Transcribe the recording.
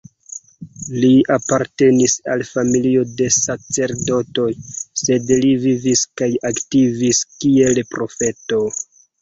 Li apartenis al familio de sacerdotoj; sed li vivis kaj aktivis kiel profeto.